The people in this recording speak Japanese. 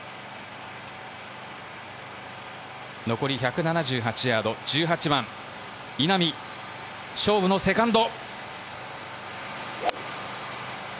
残り１７８ヤード、１８番稲見、勝負のセカンド！